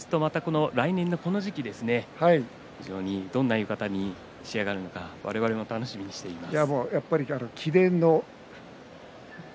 来年のこの時期にどんな浴衣に仕上がるのか我々も楽しみにしています。